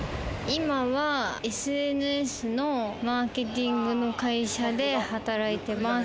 今はＳＮＳのマーケティングの会社で働いてます。